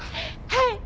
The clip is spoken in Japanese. はい。